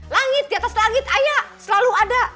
langit diatas langit ayah selalu ada